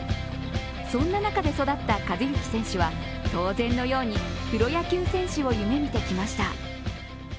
そんな中で育った寿志選手は当然のようにプロ野球選手を夢見てきました。